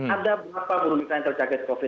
ada berapa buru migran yang terjaga covid sembilan belas